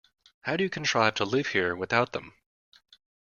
How do you contrive to live here without them?